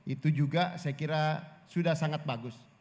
itu juga saya kira sudah sangat bagus